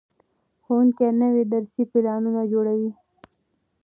ښوونکي نوي درسي پلانونه جوړوي.